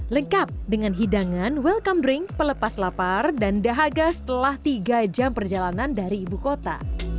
lengkap dengan hidangan welcome bring pelepas lapar dan dahaga setelah tiga jam perjalanan dari ibu kota